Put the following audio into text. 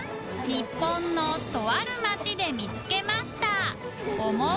稙椶とある町で見つけました